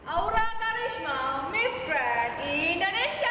อาวุฒาการิชมามิสเกรนด์อินเตอร์เนชั่น